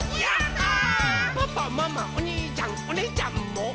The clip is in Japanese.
「パパママおにいちゃんおねぇちゃんも」